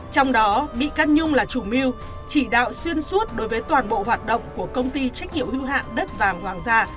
trong đó bị can nhung là chủ mưu chỉ đạo xuyên suốt đối với toàn bộ hoạt động của công ty trách nhiệm hưu hạng đất và hoàng gia